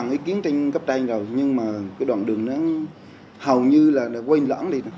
không có ý kiến trên cấp trên rồi nhưng mà cái đoạn đường nó hầu như là quên lõng đi